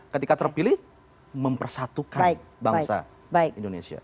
ketika terpilih mempersatukan bangsa indonesia